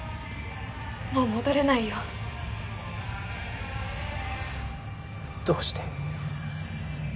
もう戻れないよどうして？